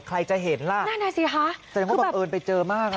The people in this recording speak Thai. ใครจะเห็นล่ะนั่นอ่ะสิคะแสดงว่าบังเอิญไปเจอมากอ่ะ